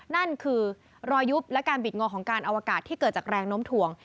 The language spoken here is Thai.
นั่นคือรอยยุบและการบิดงอของการอวกาศที่เกิดจากแรงน้มถ่วง